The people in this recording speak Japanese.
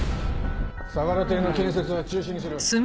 相良邸の建設は中止にする。